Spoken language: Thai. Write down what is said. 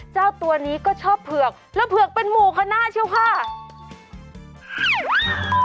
เจ้าตัวนี้ก็ชอบเผือกแล้วเผือกเป็นหมู่คณะเชี่ยวค่ะ